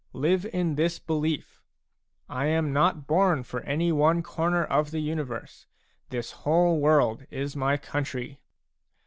Live in this belief :" I am not born for any one corner of the universe; this whole world is my country."